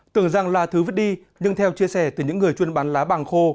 tưởng rằng là thứ vứt đi nhưng theo chia sẻ từ những người chuyên bán lá bàng khô